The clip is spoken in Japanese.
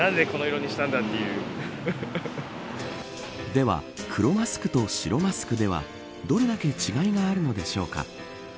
では黒マスクと白マスクではどれだけ違いがあるのでしょうか。